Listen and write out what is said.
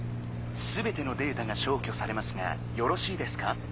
「すべてのデータがしょうきょされますがよろしいですか？」。